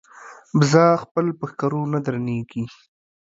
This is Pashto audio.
بزه خپل په ښکرو نه درنېږي.